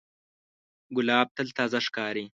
ګلاب تل تازه ښکاري.